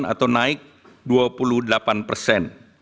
atau naik dua puluh delapan persen